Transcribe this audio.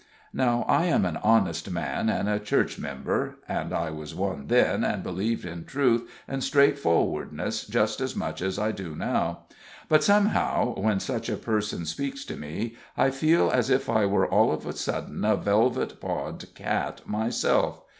Now, I am an honest man and a Church member and I was one then, and believed in truth and straightforwardness just as much as I do now but, somehow, when such a person speaks to me, I feel as if I were all of a sudden a velvet pawed cat myself.